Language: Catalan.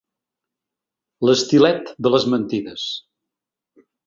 L’estilet de les mentides.